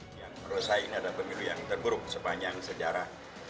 yang merusak ini adalah pemilu yang terburuk sepanjang sejarah